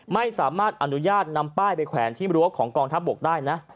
ไม่สามารถอนุญาตนำป้ายไปแขวนที่รั้วของกองทัพบกได้นะ